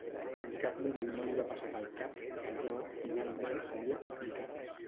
En cap moment no li va passar pel cap que allò finalment seria publicat.